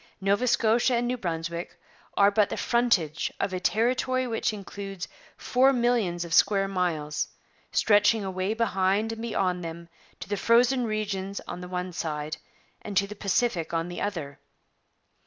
Nova Scotia and New Brunswick are but the frontage of a territory which includes four millions of square miles, stretching away behind and beyond them to the frozen regions on the one side and to the Pacific on the other.